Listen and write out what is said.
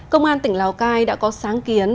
công an tỉnh lào cai đã có sáng kiến